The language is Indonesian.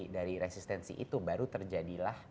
dari resistensi itu baru terjadilah